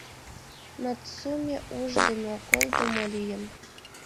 Нацуме уждымо, колдымо лийын.